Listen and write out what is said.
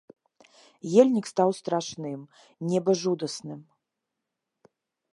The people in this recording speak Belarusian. Ельнік стаў страшным, неба жудасным.